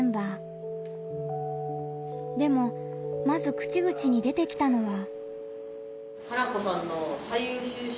でもまず口々に出てきたのは。